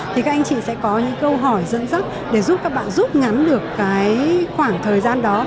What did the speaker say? thì các anh chị sẽ có những câu hỏi dẫn dắt để giúp các bạn giúp ngắn được cái khoảng thời gian đó